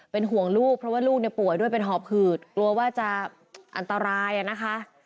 เป็นห่วงลูกเพราะว่าลูกเนี่ยป่วยด้วยเป็นหอบหืดกลัวว่าจะอันตรายนะคะ